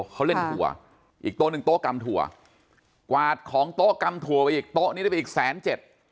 เขาเล่นถั่วอีกโต๊ะหนึ่งโต๊ะกำถั่วกวาดของโต๊ะกำถั่วไปอีกโต๊ะนี้ได้ไปอีกแสนเจ็ด